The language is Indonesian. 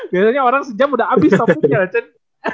biasanya orang sejam udah abis topiknya loh cen